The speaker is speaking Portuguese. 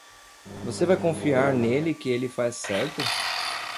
Você vai confiar nele que ele faz certo?